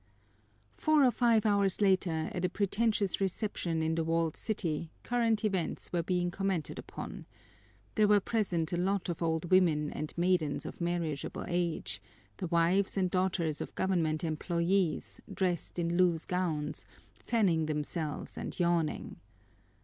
Four or five hours later, at a pretentious reception in the Walled City, current events were being commented upon. There were present a lot of old women and maidens of marriageable age, the wives and daughters of government employees, dressed in loose gowns, fanning themselves and yawning.